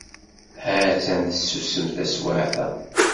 Ha-tt-an tsusem taswiɛt-a.